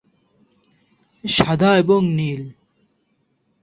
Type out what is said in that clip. সাদা এবং নীল।